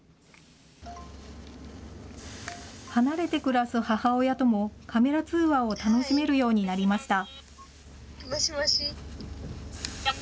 離れて暮らす母親とも、カメラ通話を楽しめるようになりました。